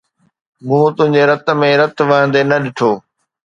مون تنهنجي رت ۾ رت وهندي نه ڏٺو